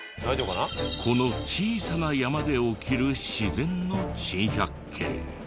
この小さな山で起きる自然の珍百景。